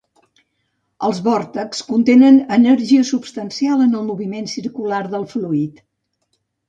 Els vòrtexs contenen energia substancial en el moviment circular del fluid.